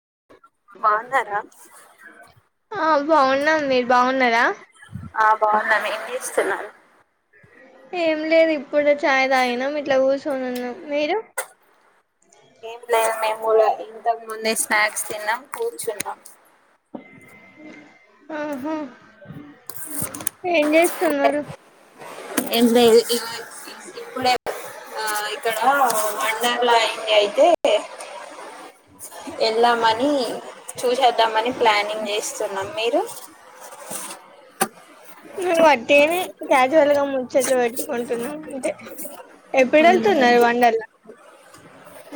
[unintelligible] బాగున్నారా ఆ బాగున్నాం మీరు బాగున్నారా ఆ బాగున్నాము ఏం చేస్తున్నారు ఏం లేదు ఇప్ ఇప్పుడు చాయ్ తాగినం ఇట్లా కూర్చొని ఉన్నాం మీరు ఏంల మాములే ఇంతగ్ ముందే స్నాక్స్ తిన్నాం కూర్చున్నాం ఉంహు నువు ఏంచేస్తూ చున్నారు ఎం లేదు ఇగో ఇప్పుడే ఆ ఇక్కడ మండర్లా అయింది అయితే వెళ్దామని చూసేద్దామని ప్లానింగ్ చేస్తున్నాం మీరు ఈ వన్ తేనే [unintelligible] రలుగా ముచ్చట్లు పెట్టుకుంటున్నాం అదే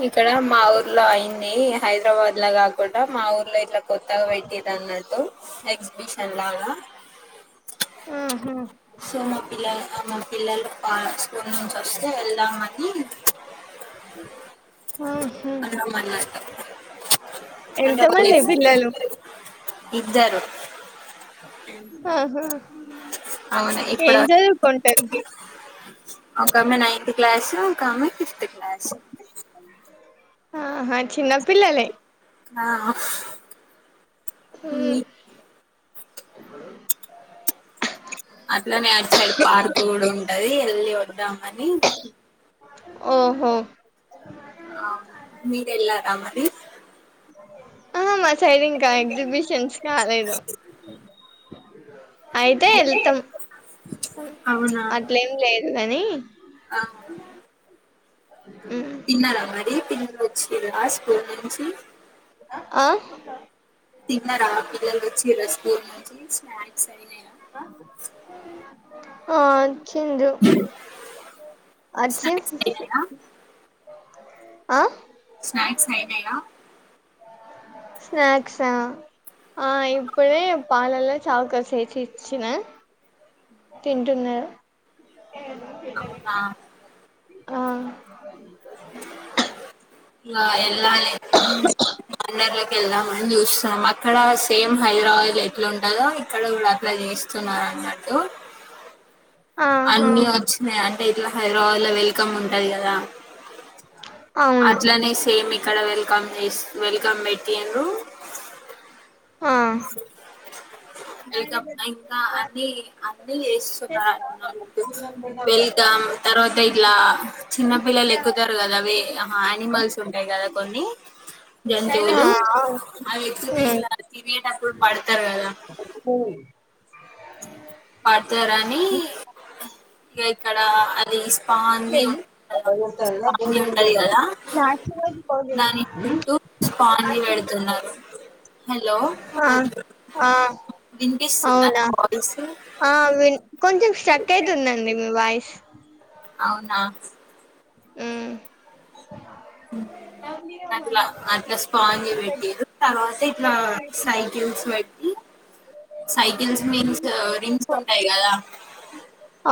ఇక్కడ మా ఊర్ ఊ లో అయింది హైదరాబాద్ లో కాకుండా మా ఊర్లో ఇట్లా కొత్తగా పెట్టటిది అన్నట్టు ఎగ్జిబిషన్ లాగా ఆహా సన్న పిల్ల ఆమ పిల్లలు పా స్కూల్ నుంచి వస్తు వెళ్దామని అ అన్నామన్నట్టు ఎంత మంది పిల్లలు ఇద్దరు ఆహా అవునా ఇప్పుడ ఏం చదువుకుంటారు ఒక ఆమె నైత్ నైత్ క్లాస్ ఇంకోక ఆమె ఫిఫ్త్ ఫిఫ్త్ క్లాస్ ఆహా చిన్న పిల్లలే ఆ అ ఎల్లి ఎళ్ళి వొద్దాం అని ఓహో ఆ మీరు ఎలారా మరి ఆహా మా సైడ్ ఇంకా ఎగ్జిబిషన్స్ కాలేదు [inaudible] అయితే వెళ్తాం అవునా అట్లేం లేదు నని ఆ ఉమ్ తిన్నార మరి ఆ స్కూల్ నుంచి ఆ తిన్నరా పిల్లలు వచ్చిర్ర స్కూల్ ఈరోజు స్నాక్స్ అయి ఆ అం వచ్చిందు అచ్చి స్నాక్స్ అయినాయా స్నాక్స్ అయిన యిగా స్నాక్స ఆ ఇప్పుడే పాలల్లో చాకోస్ వేసి ఇచ్చిన తింటున్నారు అవునా [inaudible] ఆ అ ఎలా వెళ్దామని చూస్తున్నాం అక్కడ సేమ్ హైదరాబాద్ ఎట్లా ఉంటందో ఇక్కడ కూడ అట్ల చేస్తున్నారు అన్నట్టు ఆహా అన్నీ వచ్చినయి అ అంటే ఇగ హైద్రాబాద్ లో వెల్కమ్ ఉంటది కదా అవును అట్లనే సేమ్ ఇక ఇక్కడ వెల్కమ్ వెల్కమ్ బెట్టిండ్ర ఆ అ ఆ వెల్కమ్ అ ఇంకా అన్ని అన్ని వేస్తున్నారు అన్నట్టు వెల్కం తర్వాత ఇలా చిన్నపిిల్లలు ఎక్కుతారు కదా అవిే యానిమల్స్ ఉంటాయి కదా కొన్ని జంతువులు అవును ఆ అవి వచ్చినయి ఇగా ఎక్కేటప్పుడు పడ్తారు కదా పడ్తారా అని ఇక ఇక్కడ అది స్పాంజీ ఉ స్పాంజీ ఉంటది కదా దాని చుట్టూ స్పాజీ పెడుతున్నారు హలో ఆ విన్పిస్తుందా అవునా ఆ వి కొంచెం స్టక్ అయితుందండి మీ వాయిస్ అవున మ్ అట్లా అట్లా స్పాంజ్ పెట్టినారు, తర్వాత ఇట్లా సైకిల్స్ పెట్టి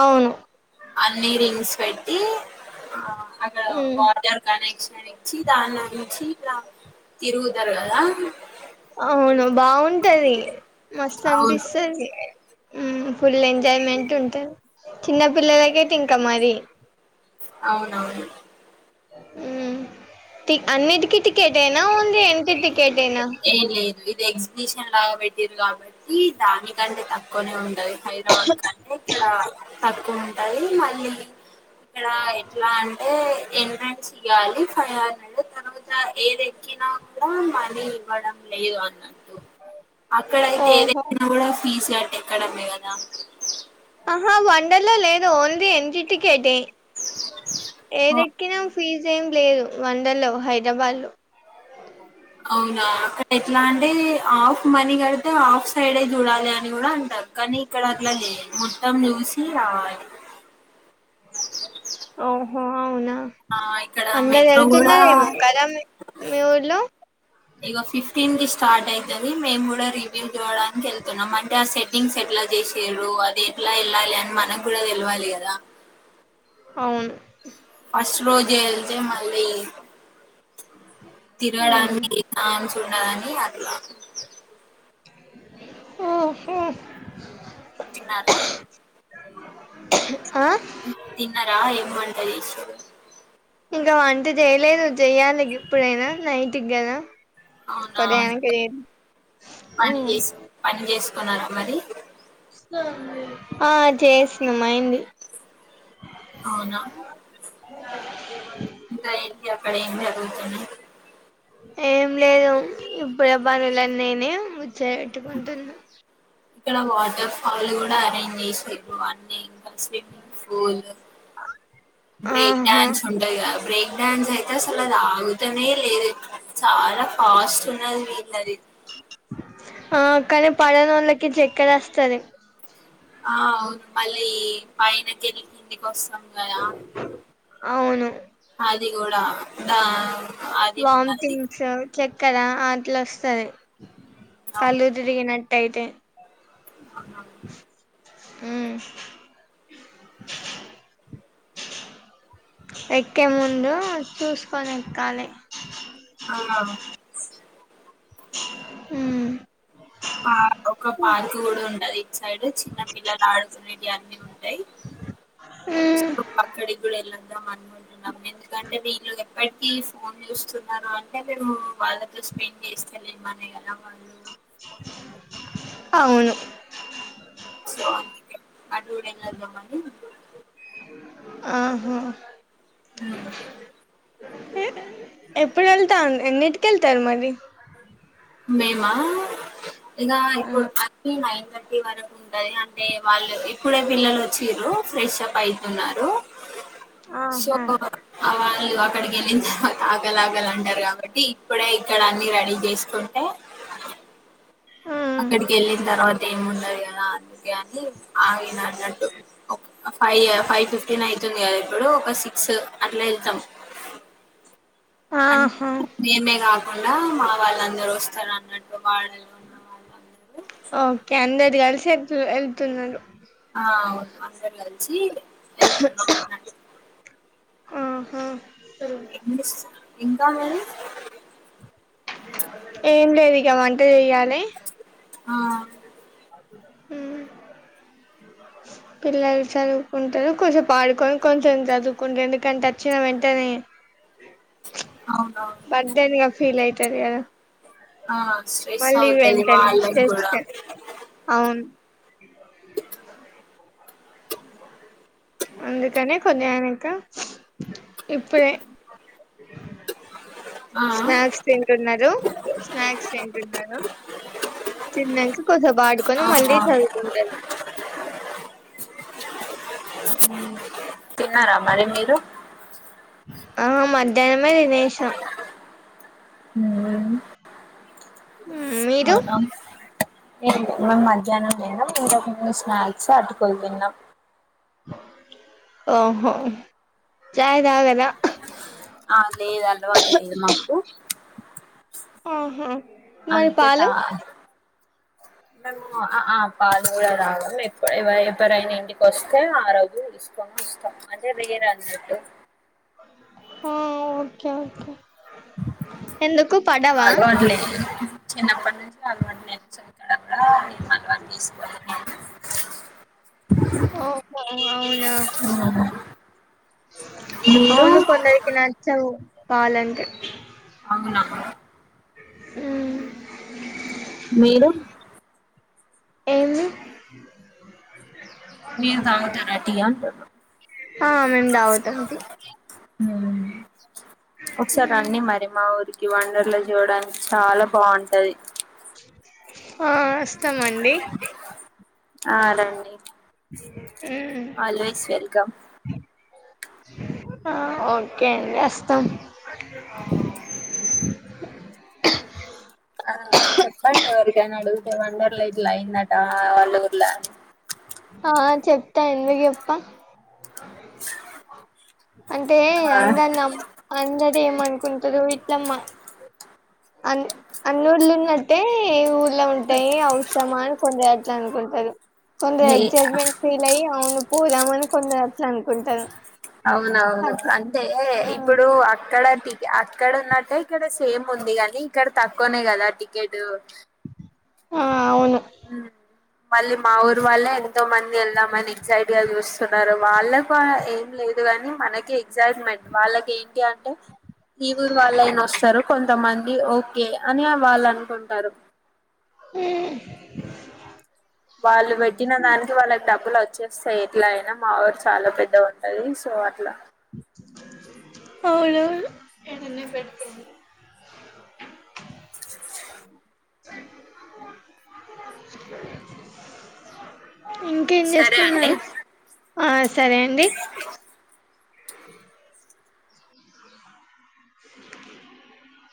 అవును అన్నిీ రింగ్స్ పెట్టి అక్కడ ఉమ్. వాటర్ కనెక్షన్ ఇచ్చి దానినుంచి ఇలా తిరుగుతారు గద అవును బాగుంటది మస్తు అవును అనిపిస్తది ఫుల్ ఎంజాయ్మెంట్ ఉంటారు, చిన్న పిల్లలకైతే ఇంకా మరి అవునవును హమ్ టిక్ అన్నెటికి వీటికెటేనా ఓన్లీ ఎంట్రీ టికెటేన టికెట్ేనా ఏం లేదు ఇది ఎగ్జిబిషన్ లాగా పెట్టటిారు కాబట్టి దానికంటే తక్కువనే ఉంటయి హై తక్కువ ఉంటాయి మళ్ళీ ఇక్కడ ఎట్లా అంటే ఎంట్రన్స్ కి ఇయ్యాల ఫైవ్ హండ్రెడ్ తర్వాత ఏద ఎక్కినా కూడా మనీ ఇవ్వడం లేదు అన్నా అక్కడ అయితే ఓహో ఏదైతేనా కూడా ఫీజు కట్టే కట్టడమే కదా ఆహా వండర్ లో లేదు ఓన్లీ ఎంట్రీ టికెట్ ఇదెక్కిన ఫీజ్ ఏం లేదు వండర్ లా హైదరాబాద్లో అవునా అక్కడ ఎట్లా అే ఆఫ్ మనీ కడితే ఆఫ్ సైడే చూడాలి అని కూడా అంటారు కానీ ఇక్కడ అట్లా లేదు మొత్తం చూసి రావాలి ఓహో అవునా ఆ ఇక్కడ అందరు మెట్రో కూడా... వెళ్తున్నారేమో కదా మీ మీ ఊర్లో ఇగో ఫిఫ్టీన్ స్టార్ట్ అయితది మేము కూడా రివ్యూ చూడడానికి వెళ్తున్నాం అంటే ఆ సెట్టింగ్స్ ఎట్లా చేసారు అది ఎట్లా వెళ్ళాలి అని మనకు కూడా తెలవాలి కదా అవును ఫస్ట్ రోజు వెళ్తే మళ్ళీ ఉమ్. తినడానికి ఆహ్ ఉన్నాది అది ఒకే తిన్నారా ఆహ్ తిన్నారా ఏం వంట చేసినారు ఇంకా వంట చేయలేదు చెయ్యాలి ఇప్పుడైనా నైట్కి కదా అవును ఉదయానికి లేదు పని చేసి పని చేసి కొన్నారా మరి ఆ చేసినం అయింది అవునా [inaudible] ఇంగా ఏంటి అక్కడ ఏం జరుగుతుంది ఏం లేదు ఇప్పుడే పనులన్ని అయినాయి ఇక్కడ వాటర్ ఫాలూ ఇంక ఆరెంజ్ చేసిన్రు అన్ని స్విమ్మింగ్ ఫూల్ బ్రేక్ ఆహా డాన్స్ ఉంటాయి గా బ్రేక్ డాన్స్ అయితే అసలు అది ఆగుతనే లేదు చాలా ఫాస్ట్ ఉన్నది వీళ్ళది ఆ కానీ పడనోళ్ళకి చక్కెర వస్తది ఆ అవును మళ్ళీ పైన కెళ్ళి కిందికి వస్తం గదా అవును అదిగూడ దా అది ఉన్నది వామ్టింగ్సు, చక్కెర ఆ ఇట్లా వస్తది కళ్ళు తిరిగినట్ అయితే అహా హ్మ్ ఎక్కే ముందు చూసుకొని ఎక్కాలి. ఆ హ్మ్ పార్క్ ఒక పార్క్ కూడా ఉండది సైడ్ చిన్న పిల్లలు ఆడుకునేటివి అన్నీ ఉంటాయి ఉమ్ పక్కది కూడా వెళ్ళాం [inaudible] [unintelligible] ఎందుకంటే వీళ్లు బట్టి ఫోన్ చూస్తున్నారు అంటే మేము వాళ్ళతో స్పెండ్ చేస్తలేమని కదా వాళ్ళు ఫోన్ అవును సో అందుకే [unintelligible] ఆహా హ్మ్ ఎప్పుడు వెళ్తా ఎన్నింటికి ఎళ్తరు మరి మేమా ఇగా ఇప్పుడు థర్టీ నైన్ ఇప్పుడే పిల్లలు వచిండ్రు ఫ్రెష్ అప్ అయితున్నారు. సో ఆహా వాళ్ళు ఆక్కడికెల్లిం ఆకలాకలి అంటారు కాబట్టి ఇప్పుడే ఇక్కడ అన్ని రెడీ చేసుకుం ఏ అక్కడికి ఎళ్ళిన తర్వాత ఏమి ఉండదు కదా అందుకే అని ఆయన అన్నట్టు ఫైవ్ ఫైవ్ ఫిఫ్టీన్ అయితుంది కదా ఇప్పుడు ఒక సిక్స్ అట్లా ఎళ్తం అం ఆహా మేమేగాదు అలా మా వాళ్ళందరు వస్తారు అన్నట్టు వాళ్ ఓకే అందరు కలిసి ఎళ్ ఎళ్తున్నరు ఆ అవును అందరు కలి చీ వెళ్తున్నాం అన్నట్టు ఆహా ఏం జేస్తారు ఇంకా మేడం ఏం లేదు ఇక వంట చేయాలి ఆ ఊమ్ పిల్లలు చదువుకుంటరు కొసేపు ఆడుకొని కొంచెం చదువుకుంటారు ఎందుకంటే వచ్చిన వెంటనే అవునవును బర్డెన్ గా ఫీల్ అయి తరు గదా ఆ స్ట్రెస్ అవుతది వాళ్ళకి స్ట్రెస్ గూడా [unintelligible] అందుకనే కొదిగైనంకా ఇప్పుడే ఆ స్నాక్స్ తింటున్నారు స్నాక్స్ తింటున్నారు తిన్నాక కొసేపు ఆడుకొని మళ్ళీ ఆ చదువుకుంటారు తిన్నారా మరి మీరు ఆ మధ్యాహ్నమే వేశం ఊమ్ ఊమ్ మీరు ఏంటి మేము మధ్యాహ్నం తిన్నం ఇంతకుముందు స్నాక్స్ అటుకులు తిన్నం ఓహో చాయ్ తాగరా ఆ లేదు అలవాటు లేదు మాకు ఆహా మరి అంకితా పాలు ఆ పాల్ మూల రావడం ఎప్పుడూ ఎవరైనా ఇంటికి వస్తే ఆ రోజులు తీసుకొని ఇస్తాం అదే వేరే అన్నట్టు ఓకే ఓకే ఎందుకు పడావా అలవాటు లేదు చిన్నప్పటి నుంచి అలవాటు నేర్చు ఓహో అవునా మీరు అవును కొందరికి నచ్చదు పాలు అంటే అవునా ఆమ్ మీరు ఏమి మీరు తాగుతార టియ్య హ మేమ్ తాగుతాం టీ ఉమ్ వండర్లు చూడానికి చాలా బాగుంటది ఆ అస్తా మ ఆ రండి మ్మ్ ఆల్వేస్ వెల్కమ్ ఆ ఓకే అండి వస్తాం ఆ చెప్పండి ఎవరికి అడుగుతే వండర్ల ఇట్లా అయిందటా వాళ్ళూర్ల ఆ చెప్తా ఎందుకు చెప్త అంటే ఆ అందర్నీ అందరు ఏమనుకుంటరు లమ్మ అన్ అన్నూళ్లున్నట్టే ఈ ఊర్ ఎలా ఉంటాయి అవసరమా [unintelligible] కొందరు లే ఎక్సైట్ మెంట్ ఫీలయ్యి అవును పోదమని కొందరు అట్ల అనుకుంటను అవునవును అంటే ఇప్పుడు అక్కడ అక్కడ ఉన్నట్టే ఇక్కడ సేమ్ ఉంది కానీ ఇక్కడ తక్కువనే కదా టికెట్ ఆ అవును మ్ మళ్ళీ మా ఊరు వాళ్ళె ఎంతో మంది వెళ్దామని ఎగ్జైట్ గా చూస్తున్నారు వాళ్ళకు ఏం లేదు గాని మనకి ఎగ్జైట్మెంట్ వాళ్ళకి ఏంటి అంటే ఈ ఊరు వాళ్ళయినా వస్తారు కొంతమంది ఓకే అని వాళ్ళు అనుకుంటారు మ్ వాళ్ళు పెట్టిన దానికి వాళ్ళకు డబ్బులు వచ్చేస్తాయి ఎట్లా అయినా మా ఊరు చాలా పెద్దగాఉంటది సో అట్లా అవును అవును ఇంకేం సరే చేస్తున్నారు అండి ఆ సరే అండి